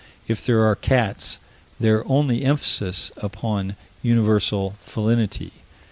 If there are cats, they're only emphasis upon universal felinity.